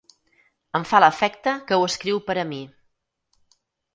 Em fa l'efecte que ho escriu per a mi.